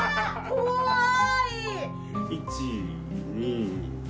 ・怖い！